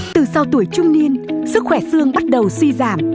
từ sau tuổi trung niên sức khỏe xương bắt đầu suy giảm